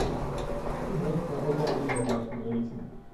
U heeft er ook al even naar verwezen.